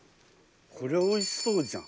これおいしそうじゃん！